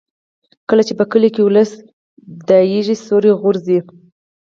کله چې په کلي ولس د ایږې سیوری غورځي.